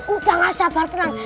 udah gak sabar tenang